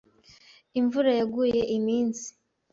Imvura yaguye iminsi.